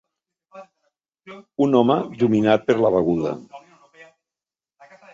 Un home dominat per la beguda.